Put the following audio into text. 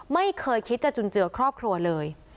ไม่เคยคิดจะจุนเจือครอบครัวเลย